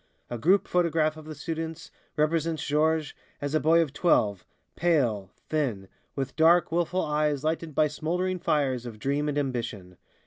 A group photograph of the students represents Georges as a boy of twelve, pale, thin, with dark, wilful eyes lighted by smouldering fires of dream and ambition.